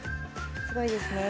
すごいですね。